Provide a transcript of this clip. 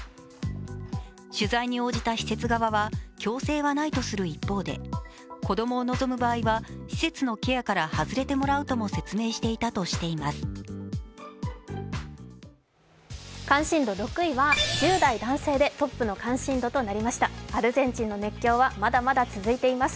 取材に応じた施設側は強制はないとする一方で子供を望む場合は施設のケアから外れてもらうとも説明していたとしています。